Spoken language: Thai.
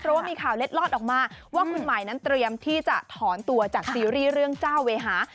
เพราะว่ามีข่าวเล็ดลอดออกมาว่าคุณหมายนั้นเตรียมที่จะถอนตัวจากซีรีส์เรื่องเจ้าเวหา